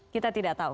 kita tidak tahu